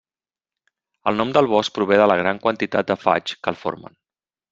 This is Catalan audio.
El nom del bosc prové de la gran quantitat de faigs que el formen.